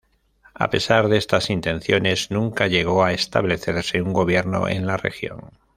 A pesar de estas intenciones, nunca llegó a establecerse un gobierno en la región.